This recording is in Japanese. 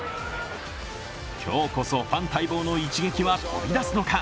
今日こそファン待望の一撃は飛び出すのか。